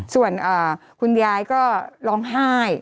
ส่วนคุณยายก็ร้องไห้